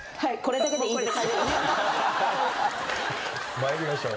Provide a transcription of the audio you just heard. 参りましょう。